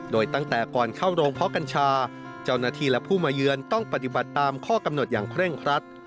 โดยตั้งแต่ก่อนเข้าโรงเพาะกัญชาเจ้าหน้าที่และผู้มาเยือนต้องปฏิบัติตามข้อกำหนดอย่างเคร่งครัด